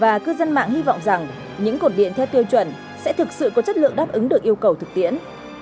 và cư dân mạng hy vọng rằng những cột điện theo tiêu chuẩn sẽ thực sự có chất lượng đáp ứng được yêu cầu thực tiễn